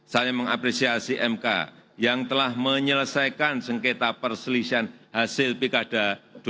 saya mengapresiasi mk yang telah menyelesaikan sengketa perselisihan hasil pilkada dua ribu delapan belas